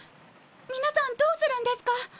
皆さんどうするんですか？